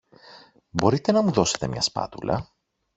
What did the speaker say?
Μπορείτε να μου δώσετε μια σπάτουλα;